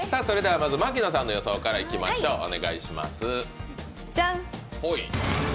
それでは、まず牧野さんの予想からいきましょう。